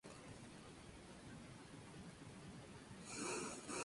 Sin ellos, estaríamos hablando de otro tipo de investigación.